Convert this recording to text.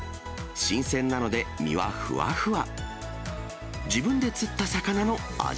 新鮮なので、身はふわふわ。